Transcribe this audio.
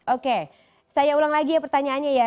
oke saya ulang lagi ya pertanyaannya ya